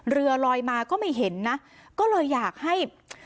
เรือลอยมาก็ไม่เห็นนะก็เลยอยากให้